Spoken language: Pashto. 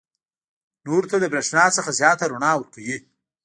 نورو ته د برېښنا څخه زیاته رڼا ورکوي.